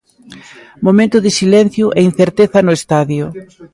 Momento de silencio e incerteza no estadio.